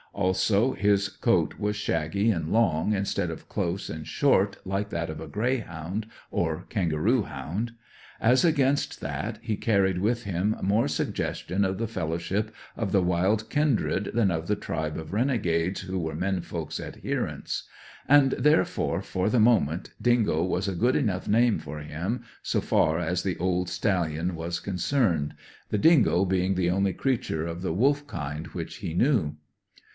Also, his coat was shaggy and long, instead of close and short like that of a greyhound, or kangaroo hound. As against that, he carried with him more suggestion of the fellowship of the wild kindred than of the tribe of renegades who are men folk's adherents; and therefore, for the moment, dingo was a good enough name for him, so far as the old stallion was concerned, the dingo being the only creature of the wolf kind which he knew.